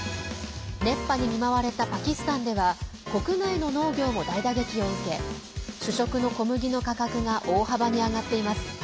熱波に見舞われたパキスタンでは国内の農業も大打撃を受け主食の小麦の価格が大幅に上がっています。